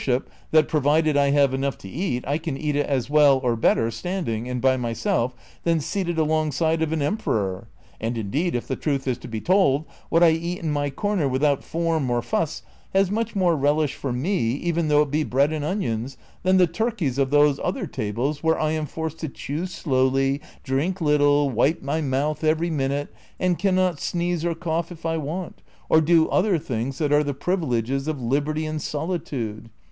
CHAPTER XL 65 that provided I have enough to eat, I can eat it as well, or better, standing, and by myself, than seated alongside of an emperor. And indeed, if the truth is to be told, what I eat in my corner without form or fuss has much more relish for me, even though it be bread and onions, than the turkeys of those other tables where I am forced to chew slowly, drink little, wipe my mouth every minute, and can not sneeze or cough if I want, or do other things that are the privileges of liberty and solitude.